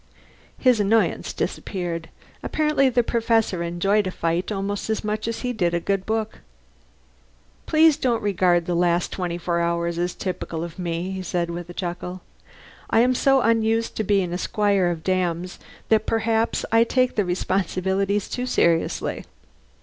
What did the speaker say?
His annoyance disappeared. Apparently the Professor enjoyed a fight almost as much as he did a good book. "Please don't regard the last twenty four hours as typical of me," he said with a chuckle. "I am so unused to being a squire of dames that perhaps I take the responsibilities too seriously."